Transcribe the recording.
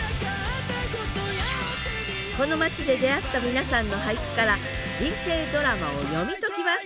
この町で出会った皆さんの俳句から人生ドラマを読み解きます